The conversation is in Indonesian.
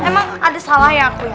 emang ada salah ya aku